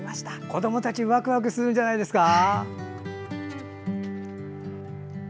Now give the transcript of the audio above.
子どもたちワクワクするんじゃないですか。